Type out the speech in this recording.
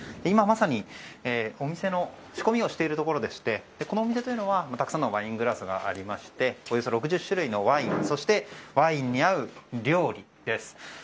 今まさに、お店の仕込みをしているところでしてこのお店というのはたくさんのワイングラスがありましておよそ６０種類のワインそして、ワインに合う料理です。